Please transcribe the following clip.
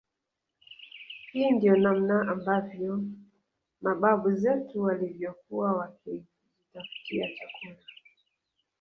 Hii ndio namna ambavyo mababu zetu walivyokuwa wakijitafutia chakula